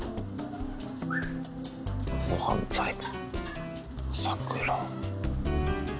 ごはんタイム。